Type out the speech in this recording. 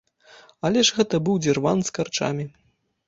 Але ж гэта быў дзірван з карчамі.